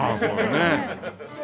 ねえ。